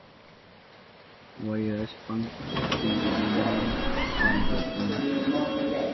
Wayrashpan kuyurinahun pankakunaka.